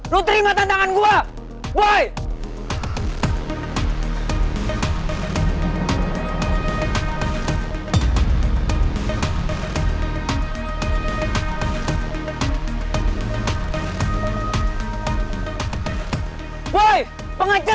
lo terima tantangan gue